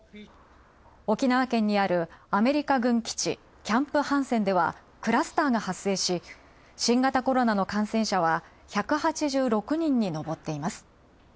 沖縄県にあるアメリカ軍基地、キャンプ・ハンセンでは、クラスターが発生し新型コロナの感染者は、１８６人にのぼっています。